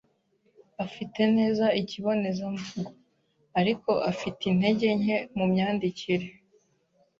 afite neza ikibonezamvugo, ariko afite intege nke mu myandikire.